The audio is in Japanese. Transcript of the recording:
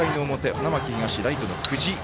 花巻東、ライトの久慈。